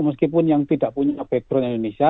meskipun yang tidak punya background indonesia